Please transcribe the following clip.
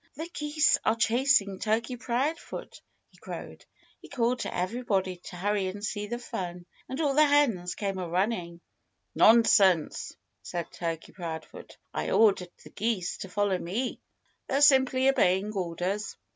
"The geese are chasing Turkey Proudfoot!" he crowed. He called to everybody to hurry and see the fun. And all the hens came a running. "Nonsense!" said Turkey Proudfoot. "I ordered the geese to follow me. They're simply obeying orders."